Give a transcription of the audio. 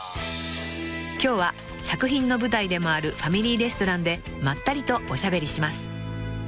［今日は作品の舞台でもあるファミリーレストランでまったりとおしゃべりします］